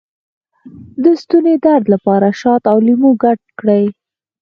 د ستوني درد لپاره شات او لیمو ګډ کړئ